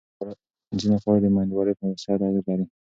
ځینې خواړه د مېندوارۍ په صحت اغېزه لري.